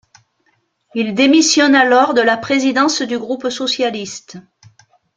Il démissionne alors de la présidence du groupe socialiste.